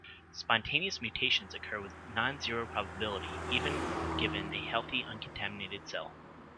"Spontaneous mutations" occur with non-zero probability even given a healthy, uncontaminated cell.